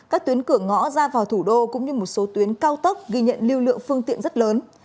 các tuyến cửa ngõ ra vào thủ đô cũng như một số tuyến cao tốc ghi nhận lưu lượng phương tiện rất lớn